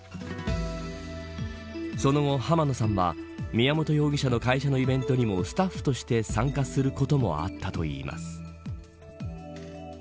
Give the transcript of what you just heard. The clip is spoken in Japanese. その後、濱野さんは宮本容疑者の会社のイベントにもスタッフとして参加することもあったといいます。